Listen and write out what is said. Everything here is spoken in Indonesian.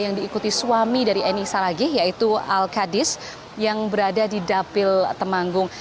yang diikuti suami dari eni saragih yaitu al kadis yang berada di dapil temanggung